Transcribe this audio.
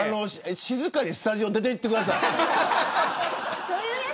静かにスタジオを出ていってください。